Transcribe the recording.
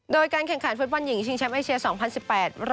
โดยการแข่งขันฟุตบอลหญิงชิงแชมป์เอเชีย๒๐๑๘